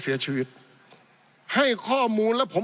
ปี๑เกณฑ์ทหารแสน๒